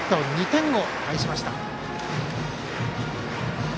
２点を返しました。